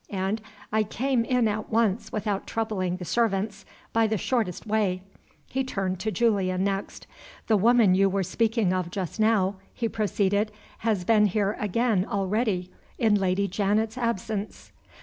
And I came in at once without troubling the servants, by the shortest way." He turned to Julian next. "The woman you were speaking of just now," he proceeded, "has been here again already in Lady Janet's absence."